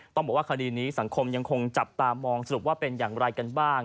ต้องบอกว่าคดีนี้สังคมยังคงจับตามองสรุปว่าเป็นอย่างไรกันบ้าง